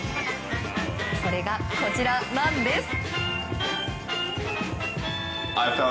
それがこちらなんです。